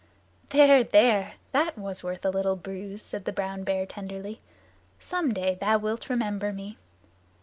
"There there! That was worth a little bruise," said the brown bear tenderly. "Some day thou wilt remember me."